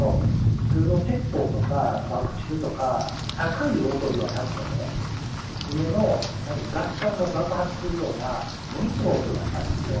普通の鉄砲とか爆竹とか、高い音ではなくてね、低めの、たぶんガス管が爆発するようなものすごい音がしたんですよ。